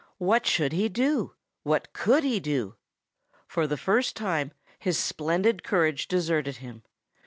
What should he do? What could he do? For the first time his splendid courage deserted him.